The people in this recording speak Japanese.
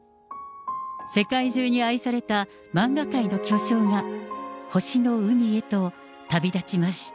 世界中に愛された漫画界の巨匠が、星の海へと旅立ちました。